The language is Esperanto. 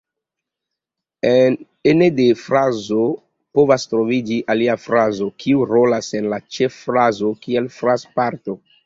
Ene de frazo povas troviĝi alia frazo, kiu rolas en la ĉeffrazo kiel frazparto.